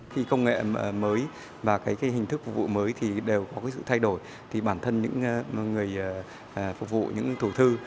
khi công nghệ mới và hình thức phục vụ mới đều có sự thay đổi thì bản thân những người phục vụ những thủ thư